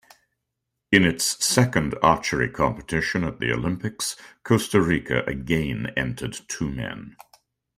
In its second archery competition at the Olympics, Costa Rica again entered two men.